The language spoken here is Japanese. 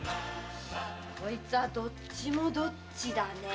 こいつはどっちもどっちだねぇ。